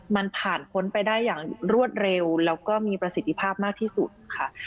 มันผ่านพ้นไปได้อย่างรวดเร็วแล้วก็มีประสิทธิภาพมากที่สุดค่ะ